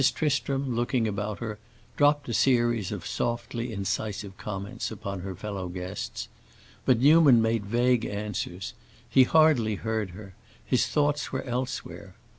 Tristram, looking about her, dropped a series of softly incisive comments upon her fellow guests. But Newman made vague answers; he hardly heard her, his thoughts were elsewhere.